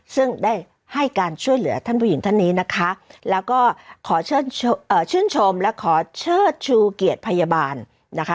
ซึ่งได้ให้การช่วยเหลือท่านผู้หญิงท่านนี้นะคะแล้วก็ขอชื่นชมและขอเชิดชูเกียรติพยาบาลนะคะ